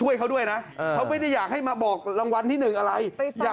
ยังน่ารักได้กับรัฐราน